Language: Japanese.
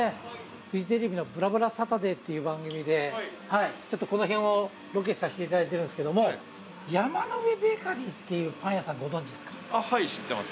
フジテレビの『ぶらぶらサタデー』っていう番組でちょっとこの辺をロケさせていただいてるんですけども山の上ベーカリーっていうパン屋さんご存じですか？